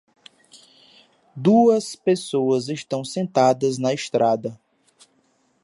Duas pessoas estão sentadas na estrada.